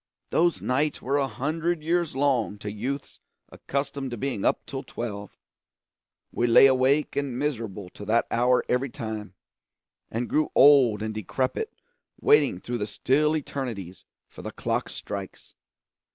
Those nights were a hundred years long to youths accustomed to being up till twelve. We lay awake and miserable till that hour every time, and grew old and decrepit waiting through the still eternities for the clock strikes.